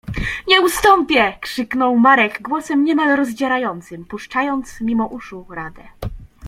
— Nie ustąpię! — krzyknął Marek głosem niemal rozdzierającym, puszczając mimo uszu radę.